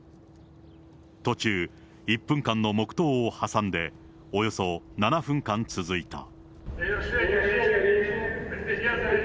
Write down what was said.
途中、１分間の黙とうを挟んで、およそ７分間続いた。